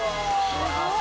すごい。